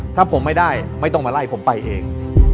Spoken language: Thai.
ถ้าผมไม่ได้ไม่ต้องมาไล่ผมไปเอง